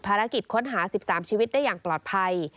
ภารกิจค้นหา๑๓ชีวิตได้อย่างปลอดภัย